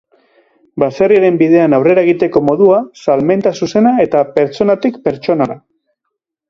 Baserriaren bidean aurrera egiteko modua, salmenta zuzena eta pertsonatik pertsonara.